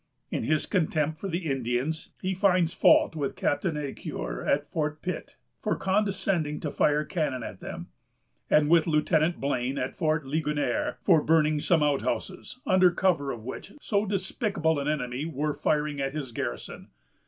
In his contempt for the Indians, he finds fault with Captain Ecuyer at Fort Pitt for condescending to fire cannon at them, and with Lieutenant Blane at Fort Ligonier for burning some outhouses, under cover of which "so despicable an enemy" were firing at his garrison.